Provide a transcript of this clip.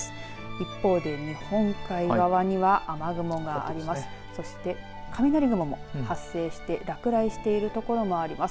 一方で日本海側には雨雲があります。